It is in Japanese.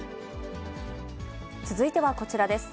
続いてはこちらです。